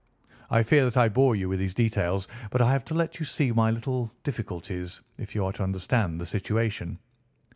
I fear that I bore you with these details, but I have to let you see my little difficulties, if you are to understand the situation."